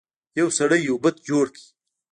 یو سړي یو بت جوړ کړ.